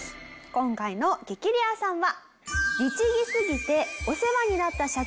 今回の激レアさんは。